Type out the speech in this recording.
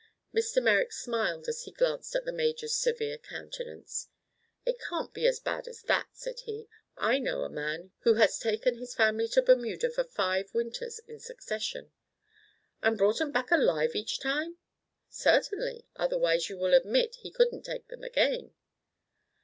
Mr. Merrick smiled as he glanced at the major's severe countenance. "It can't be as bad as that," said he. "I know a man who has taken his family to Bermuda for five winters, in succession." "And brought 'em back alive each time?" "Certainly. Otherwise, you will admit he couldn't take them again."